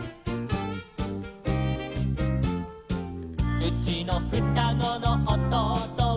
「うちのふたごのおとうとは」